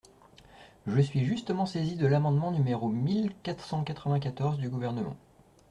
Je suis justement saisie de l’amendement numéro mille quatre cent quatre-vingt-quatorze du Gouvernement.